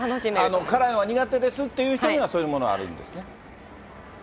辛いのは苦手ですっていう人にはそういうものもあるんですね。